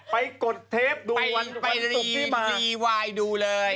ไปกดเทปไปรีด้วยดูเลย